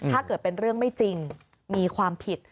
ถ้าเกิดเป็นเรื่องไม่จริงมีความผิด